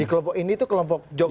di kelompok ini itu kelompok jogja